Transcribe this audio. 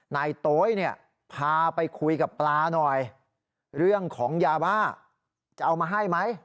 นายโต๊ยเนี่ยพาไปคุยกับปลาหน่อยเรื่องของยาบ้าจะเอามาให้ไหม